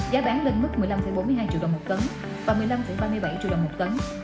giá bán lên mức một mươi năm bốn mươi hai triệu đồng một tấn và một mươi năm ba mươi bảy triệu đồng một tấn